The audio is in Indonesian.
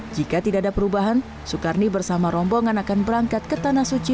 jika tidak ada perubahan sukarni bersama rombongan akan berangkat ke tanah suci